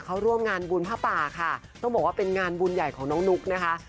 เขาร่วมงานบุญผ้าป่าค่ะต้องบอกว่าเป็นงานบุญใหญ่ของน้องนุ๊กนะคะ